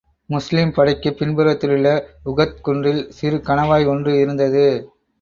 முஸ்லிம் படைக்குப் பின்புறத்திலுள்ள உஹத் குன்றில் சிறு கணவாய் ஒன்று இருந்தது.